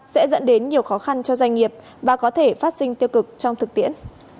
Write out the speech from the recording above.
sẽ dẫn đến nhiều khó khăn cho doanh nghiệp và có thể phát sinh tiêu cực trong thực tiễn